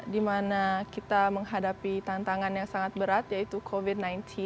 di mana kita menghadapi tantangan yang sangat berat yaitu covid sembilan belas